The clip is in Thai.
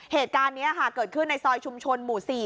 เหตุการณ์นี้ค่ะเกิดขึ้นในซอยชุมชนหมู่๔